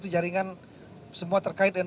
jaringan semua terkait dengan